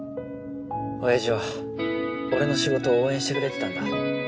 おやじは俺の仕事を応援してくれてたんだ。